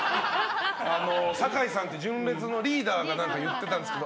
酒井さんって純烈のリーダーが何か言ってたんですけど。